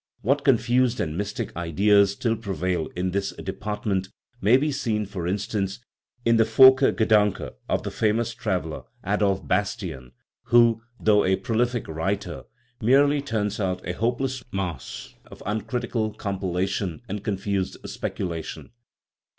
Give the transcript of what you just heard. What confused and mystic ideas still prevail in this department may be seen, for instance, in the Volkergedanke of the famous traveller, Adolf Bastian, who, though a prolific writer, 103 THE RIDDLE OF THE UNIVERSE merely turns out a hopeless mass of uncritical compila tion and confused speculation.